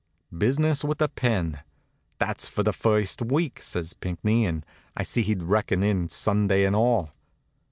Business with the pen. "That's for the first week," says Pinckney, and I see he'd reckoned in Sunday and all.